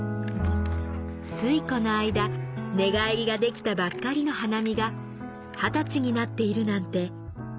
ついこの間寝返りができたばっかりの華実が二十歳になっているなんて